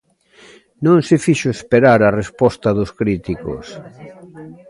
Non se fixo esperar a resposta dos críticos.